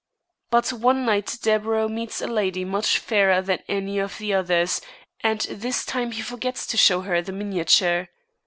But one night Deburau meets a lady much fairer than any of the others, and this time he forgets to show her the miniature.